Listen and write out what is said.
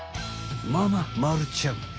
まあまあまるちゃん。